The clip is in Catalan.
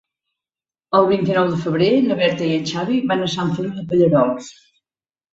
El vint-i-nou de febrer na Berta i en Xavi van a Sant Feliu de Pallerols.